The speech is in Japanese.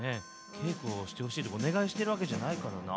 けいこをしてほしいっておねがいしてるわけじゃないからな。